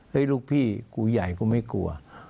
ลูกพี่กูใหญ่กูไม่กลัว